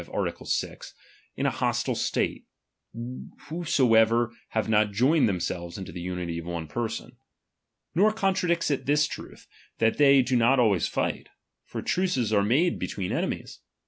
art. 6, in an hostile state, whosoever have not joined themselves into the luiity of one person. Nor contradicts it this trutli, that they do not always fight : for truces are made between enemies.